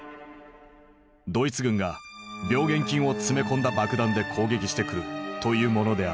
ドイツ軍が病原菌を詰め込んだ爆弾で攻撃してくるというものである。